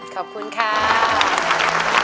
ขอบคุณครับ